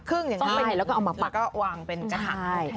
ขึ้นอย่างนี้แล้วก็วางเป็นกระถัก